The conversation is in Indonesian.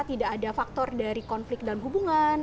tidak ada faktor dari konflik dalam hubungan